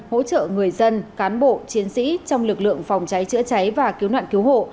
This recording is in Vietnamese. hỗ trợ người dân cán bộ chiến sĩ trong lực lượng phòng cháy chữa cháy và cứu nạn cứu hộ